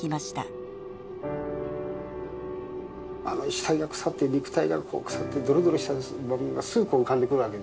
死体が腐って肉体がこう腐ってドロドロしたりする場面がすぐ浮かんでくるわけですよね。